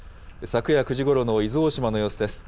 昨夜９時ごろの伊豆大島の様子です。